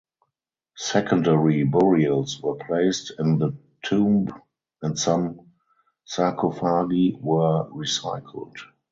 Secondary burials were placed in the tomb and some sarcophagi were recycled.